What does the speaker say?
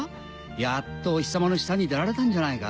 やっとお日さまの下に出られたんじゃないか。